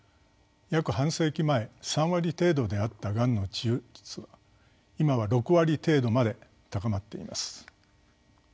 約半世紀前３割程度であったがんの治癒率は今は６割程度まで高まっています。